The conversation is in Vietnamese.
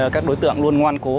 các đối tượng luôn ngoan cố